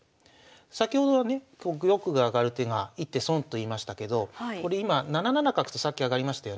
先ほどはね玉が上がる手が１手損と言いましたけどこれ今７七角とさっき上がりましたよね。